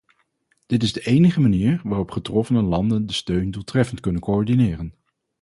Dit is de enige manier waarop de getroffen landen de steun doeltreffend kunnen coördineren.